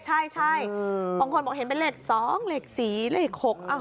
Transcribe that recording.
ใช่บางคนบอกเห็นเป็นเลขสองเลขสี่เลขหก